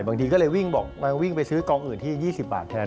บางทีก็เลยวิ่งบอกวิ่งไปซื้อกองอื่นที่๒๐บาทแทน